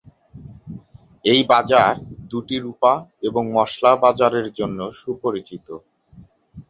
এই বাজার দুটি রূপা এবং মসলার বাজারের জন্য সুপরিচিত।